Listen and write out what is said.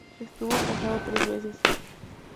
Estuvo casado tres veces.